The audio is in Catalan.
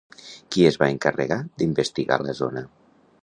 Qui es va encarregar d'investigar la zona?